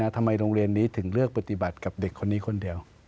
ทำไมโรงเรียนนี้ถึงเลือกปฏิบัติกับเด็กคนนี้คนเดียว